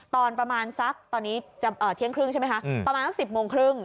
ตอนประมาณสักตอนนี้เที่ยงครึ่งใช่ไหมคะประมาณสัก๑๐โมงครึ่ง